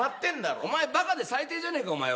お前バカで最低じゃねえか。